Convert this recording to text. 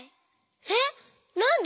えっなんで？